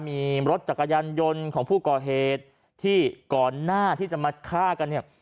มีรถจักรยานยนต์ของผู้ก่อเหตุที่ก่อนหน้าที่จะมาฆ่ากันเนี่ย